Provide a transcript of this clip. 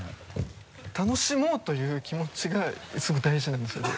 楽しもうという気持ちがすごい大事なんですよね。